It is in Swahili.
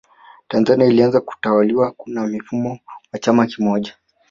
Tanzania ilianza kutawaliwa na mfumo wa chama kimoja